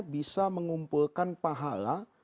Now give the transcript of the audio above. bisa mengumpulkan pahala